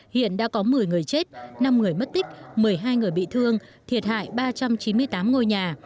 hiện đã có một mươi người chết năm người mất tích một mươi hai người bị thương thiệt hại ba trăm chín mươi tám ngôi nhà